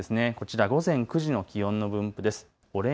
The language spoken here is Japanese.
こちら午前９時の気温の分布です。